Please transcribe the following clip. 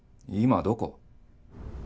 今どこ？